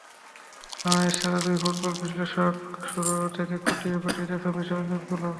বাংলাদেশের সেরা দুই ফুটবল বিশ্লেষক শুরু থেকে খুঁটিয়ে খুঁটিয়ে দেখছেন বিশ্বকাপের ম্যাচগুলো।